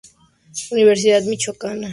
Universidad Michoacana de San Nicolás de Hidalgo